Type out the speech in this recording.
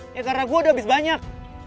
ya karena gue udah habis banyak